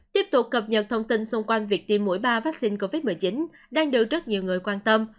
tiếp tục cập nhật thông tin xung quanh việc tiêm mũi ba vaccine covid một mươi chín đang được rất nhiều người quan tâm